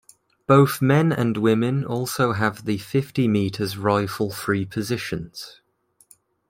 Both men and women also have the fifty meters rifle three positions.